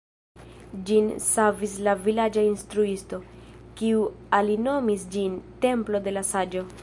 Ĝin savis la vilaĝa instruisto, kiu alinomis ĝin «Templo de la Saĝo».